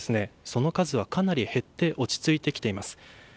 その数はかなり減って落ち着いてきています。